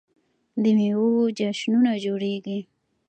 د میوو جشنونه جوړیږي.